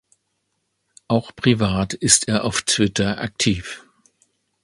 Auch privat ist er auf Twitter aktiv.